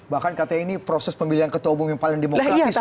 bahkan katanya ini proses pemilihan ketua umum yang paling demokratis